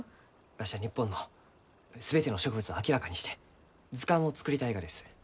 わしは日本の全ての植物を明らかにして図鑑を作りたいがです。